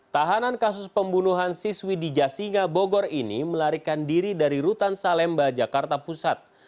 tahanan kasus pembunuhan siswi di jasinga bogor ini melarikan diri dari rutan salemba jakarta pusat